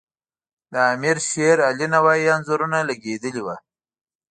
د امیر علیشیر نوایي انځورونه لګیدلي وو.